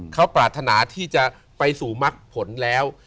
เขาปรารถนาที่จะไปสู่มักผลแล้ว